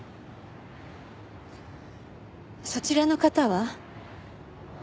そちらの方は？